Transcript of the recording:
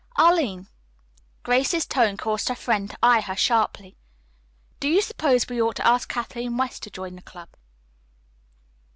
"Arline," Grace's tone caused her friend to eye her sharply, "do you suppose we ought to ask Kathleen West to join our club?"